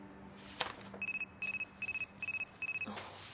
あっ。